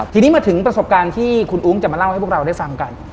ทีนี้มาถึงประสบการณ์ที่คุณอุ้งจะมาเล่าให้พวกเราได้ฟังกัน